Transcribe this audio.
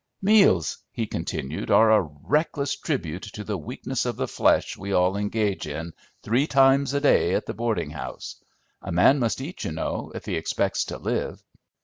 "Meals," he continued, "are a reckless tribute to the weakness of the flesh we all engage in three times a day at the boarding house; a man must eat, you know, if he expects to live.